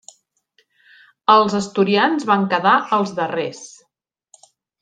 Els asturians van quedar els darrers.